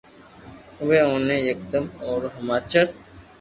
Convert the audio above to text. اووي اوني یڪدم اورو ھماچر